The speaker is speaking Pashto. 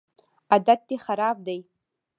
عادت دي خراب دی